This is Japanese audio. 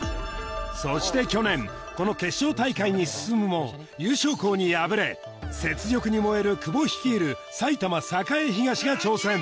そして去年この決勝大会に進むも優勝校に敗れ雪辱に燃える久保率いる埼玉栄東が挑戦